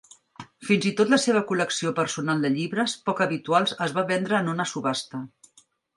Fins i tot la seva col·lecció personal de llibres poc habituals es va vendre en una subhasta.